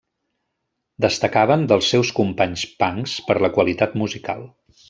Destacaven dels seus companys punks per la qualitat musical.